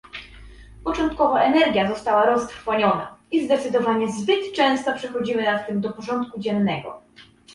Początkowa energia została roztrwoniona i zdecydowanie zbyt często przechodzimy nad tym "do porządku dziennego"